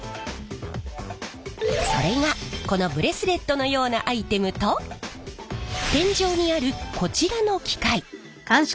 それがこのブレスレットのようなアイテムと天井にあるこちらの機械。